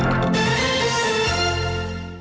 ไอ้นิ่มบ้านี่เป็นตอนฉัน